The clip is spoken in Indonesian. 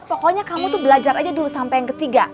pokoknya kamu tuh belajar aja dulu sampai yang ketiga